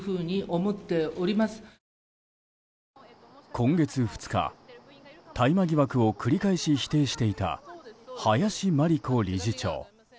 今月２日、大麻疑惑を繰り返し否定していた林真理子理事長。